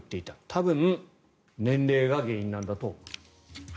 多分、年齢が原因なんだと思う。